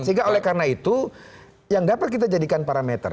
sehingga oleh karena itu yang dapat kita jadikan parameter